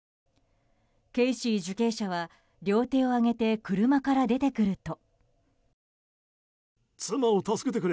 ケイシー受刑者は両手を上げて車から出てくると。